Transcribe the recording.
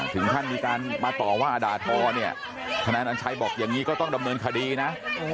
ถึงท่านมีการมาต่อว่าอดาทธนายนันชัยบอกอย่างนี้ก็ต้องดำเนินคดีนะ